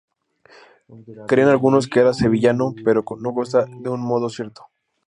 Creen algunos que era sevillano, pero no consta de un modo cierto.